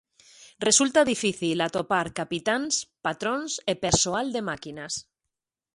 Resulta difícil atopar capitáns, patróns e persoal de máquinas.